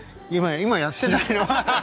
今やってないの？